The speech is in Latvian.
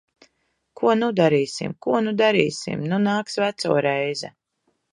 Ko nu darīsim? Ko nu darīsim? Nu nāks veco reize.